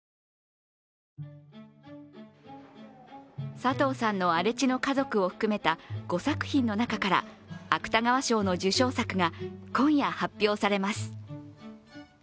佐藤さんの「荒地の家族」を含めた５作品の中から芥川賞の受賞作が今夜、発表されます。